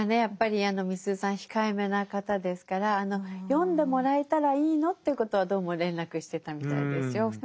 やっぱりみすゞさん控えめな方ですから読んでもらえたらいいのということはどうも連絡してたみたいですよ。